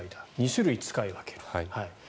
２種類、使い分ける。